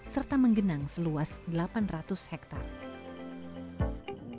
serta menggenang seluas delapan ratus hektare